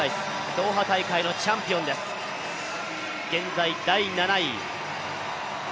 ドーハ大会のチャンピオンです、現在第７位。